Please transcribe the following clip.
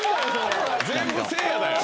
全部せいやだよ！